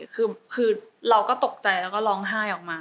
คือเราก็ตกใจแล้วก็ร้องไห้ออกมา